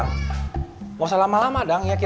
gak usah lama lama